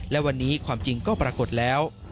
และวันนี้ความจริงก็ปรากฏแล้ว